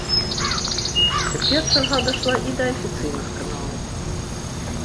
Цяпер чарга дайшла і да афіцыйных каналаў.